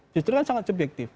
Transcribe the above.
justru kan sangat subjektif